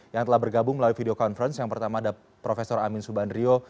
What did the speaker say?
yang telah bergabung melalui video conference yang pertama ada prof amin subandrio